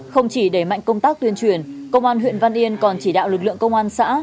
không chỉ đẩy mạnh công tác tuyên truyền công an huyện văn yên còn chỉ đạo lực lượng công an xã